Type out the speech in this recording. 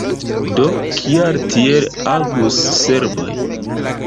Do kial tiel agus serboj?